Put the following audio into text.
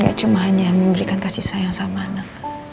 saya cuma hanya memberikan kasih sayang sama anak